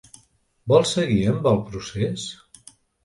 Vol seguir amb el procés?